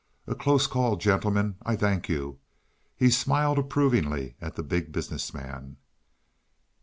"A close call, gentlemen. I thank you." He smiled approvingly at the Big Business Man.